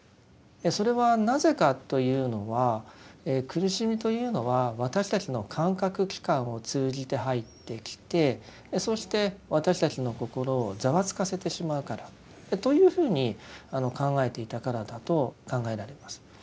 それはなぜかというのは苦しみというのは私たちの感覚器官を通じて入ってきてそして私たちの心をざわつかせてしまうからというふうに考えていたからだと考えられます。